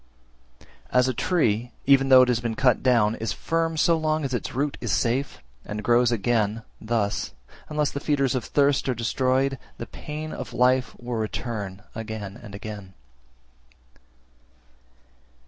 338. As a tree, even though it has been cut down, is firm so long as its root is safe, and grows again, thus, unless the feeders of thirst are destroyed, the pain (of life) will return again and again.